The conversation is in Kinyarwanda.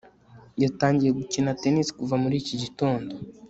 yatangiye gukina tennis kuva muri iki gitondo